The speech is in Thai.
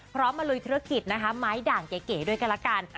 มาลุยธุรกิจนะคะไม้ด่างเก๋ด้วยกันละกัน